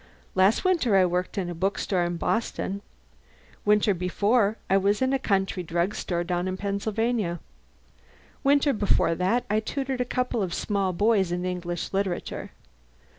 Last winter I worked in a bookstore in Boston. Winter before, I was in a country drugstore down in Pennsylvania. Winter before that, I tutored a couple of small boys in English literature.